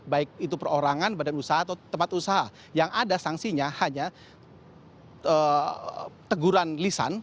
baik itu perorangan badan usaha atau tempat usaha yang ada sanksinya hanya teguran lisan